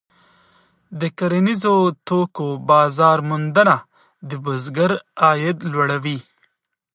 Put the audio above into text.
د کرنیزو توکو بازار موندنه د بزګر عاید لوړوي.